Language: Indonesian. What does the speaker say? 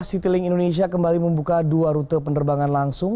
citylink indonesia kembali membuka dua rute penerbangan langsung